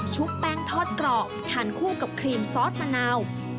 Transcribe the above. แป้งทอดกรอบทานคู่กับครีมซอสมะนาว